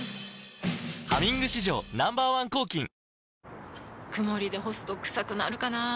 「ハミング」史上Ｎｏ．１抗菌曇りで干すとクサくなるかなぁ。